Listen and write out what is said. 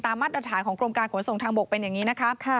มาตรฐานของกรมการขนส่งทางบกเป็นอย่างนี้นะคะ